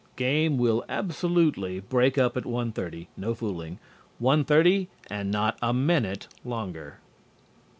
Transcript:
Game will_ absolutely _break up at one thirty. No fooling. One thirty and not a minute longer.